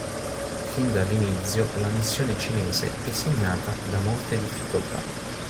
Fin dall’inizio la missione cinese è segnata da molte difficoltà.